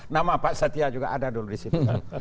nama pak setia juga ada dulu di situ